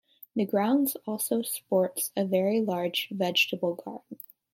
The grounds also sports a very large vegetable garden.